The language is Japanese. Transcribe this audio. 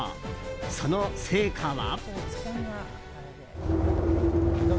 その成果は。